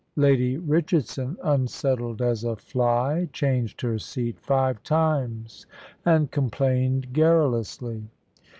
Lady Richardson, unsettled as a fly, changed her seat five times, and complained garrulously.